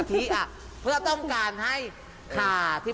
พี่บอกว่าบ้านทุกคนในที่นี่